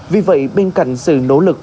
vì vậy bên cạnh sự nỗ lực